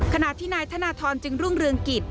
ขณะที่นายธนทรจึงรุ่งเรืองกิจ